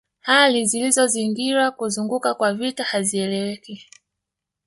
Hali zilizozingira kuzuka kwa vita hazieleweki